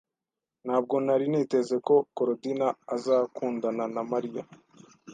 Ntabwo nari niteze ko Korodina azakundana na Mariya.